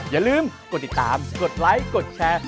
อย่าลืมกดติดตามกดไลค์กดแชร์